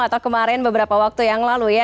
atau kemarin beberapa waktu yang lalu ya